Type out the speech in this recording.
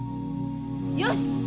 よし！